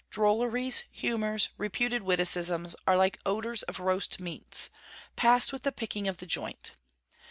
Drolleries, humours, reputed witticisms, are like odours of roast meats, past with the picking of the joint.